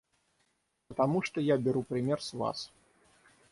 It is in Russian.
Потому что я беру пример с Вас.